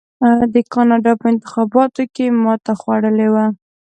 د کاناډا په انتخاباتو کې ماته خوړلې وه.